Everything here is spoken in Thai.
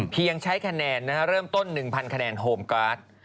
เพียงใช้ขนาดเริ่มต้น๑๐๐๐ขนาดโฮมการ์ด